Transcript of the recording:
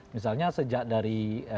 misalnya sejak dari